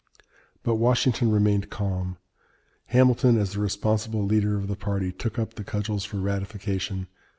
But Washington remained calm. Hamilton, as the responsible leader of the party, took up the cudgels for ratification.